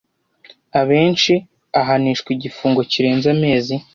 Abenshi ahanishwa igifungo kirenze amezi.